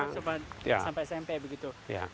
sampai smp begitu